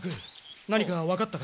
何かわかったか？